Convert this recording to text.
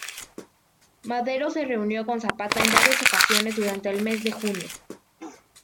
Madero se reunió con Zapata en varias ocasiones durante el mes de junio.